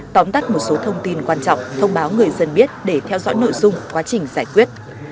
tóm tắt một số thông tin quan trọng thông báo người dân biết để theo dõi nội dung quá trình giải quyết